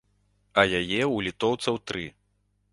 А яе ў літоўцаў тры!